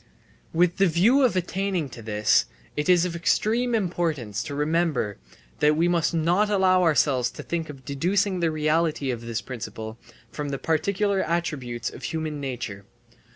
With the view of attaining to this, it is of extreme importance to remember that we must not allow ourselves to think of deducing the reality of this principle from the particular attributes of human nature.